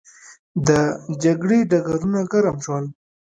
د جګړې ډګرونه ګرم شول.